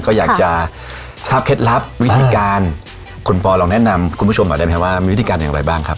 ก็อยากจะทราบเคล็ดลับวิธีการคุณปอลองแนะนำคุณผู้ชมหน่อยได้ไหมว่ามีวิธีการอย่างไรบ้างครับ